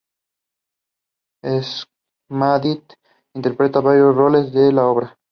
Schmidt interpreta varios roles de la obra.